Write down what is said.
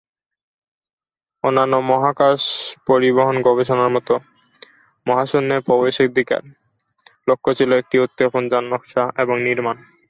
অন্যান্য মহাকাশ পরিবহন গবেষণার মত, "মহাশূন্যে প্রবেশাধিকারের" লক্ষ্য ছিল একটি উৎক্ষেপণ যান নকশা এবং নির্মাণ।